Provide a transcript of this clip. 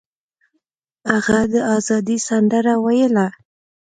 هغه د ازادۍ سندره ویله.